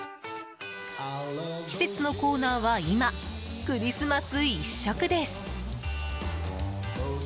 季節のコーナーは今クリスマス一色です。